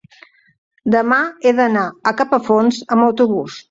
demà he d'anar a Capafonts amb autobús.